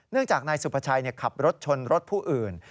เนื่องจากนายสุพชัยขับรถชนรถผู้อื่น